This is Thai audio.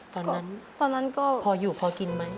ตอนนั้นพออยู่พอกินไหม